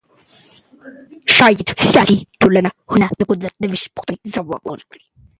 شاید سیاسي ټولنپوهنه د قدرت د وېش پوښتنې ځواب کړي.